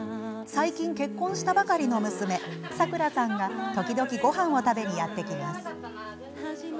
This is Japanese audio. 最近、結婚したばかりの娘さくらさんが時々ごはんを食べにやって来ます。